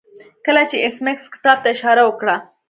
کله چې ایس میکس کتاب ته اشاره وکړه